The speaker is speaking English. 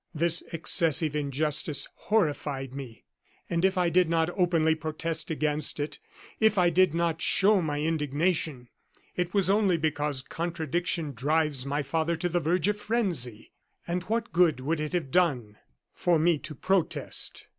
This excessive injustice horrified me. And if I did not openly protest against it if I did not show my indignation it was only because contradiction drives my father to the verge of frenzy. And what good would it have done for me to protest?